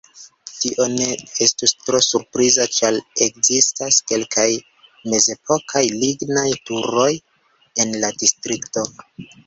Tio ne estus tro surpriza ĉar ekzistas kelkaj mezepokaj lignaj turoj en la distrikto.